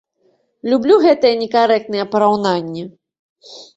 Люблю гэтыя некарэктныя параўнанні!